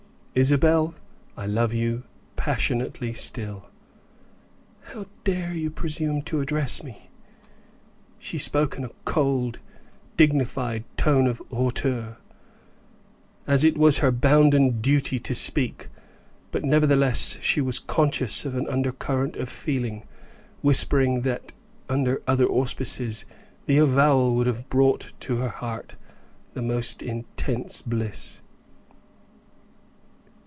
Isabel, I love you passionately still." "How dare you presume so to address me?" She spoke in a cold, dignified tone of hauteur, as it was her bounden duty to speak; but, nevertheless, she was conscious of an undercurrent of feeling, whispering that, under other auspices, the avowal would have brought to her heart the most intense bliss.